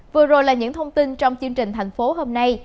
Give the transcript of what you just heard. vừa rồi là những thông tin trong chương trình thành phố hôm nay